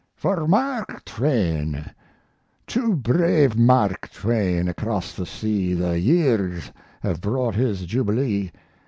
FOR MARK TWAIN To brave Mark Twain, across the sea, The years have brought his jubilee.